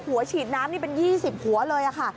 หัวฉีดน้ำนี่เป็น๒๐หัวเลยค่ะ